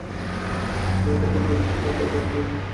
দু হাতে দুটো কাটা ডাব নিয়ে।